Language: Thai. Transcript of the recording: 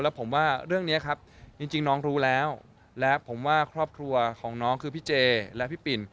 แล้วผมว่าเรื่องนี้ครับจริงน้องรู้แล้วและผมว่าครอบครัวของน้องคือพี่เจและพี่ปิ่น